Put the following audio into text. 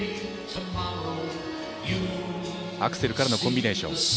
アクセルからのコンビネーション。